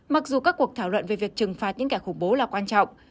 mặc dù các cuộc thảo luận về việc trừng phạt những kẻ khủng bố là quan trọng